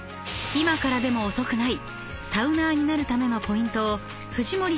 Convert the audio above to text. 今からでも遅くない！